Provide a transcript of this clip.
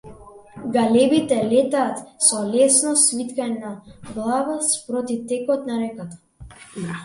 Галебите летаат со лесно свиткана глава спроти текот на реката.